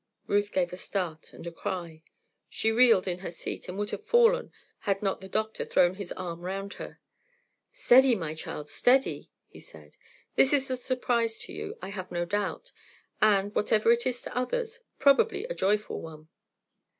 Ruth gave a start and a cry. She reeled in her seat, and would have fallen had not the doctor thrown his arm round her. "Steady, my child, steady," he said; "this is a surprise to you, I have no doubt, and, whatever it is to others, probably a joyful one."